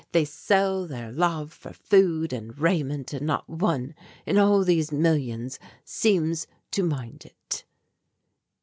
They sell their love for food and raiment, and not one in all these millions seems to mind it."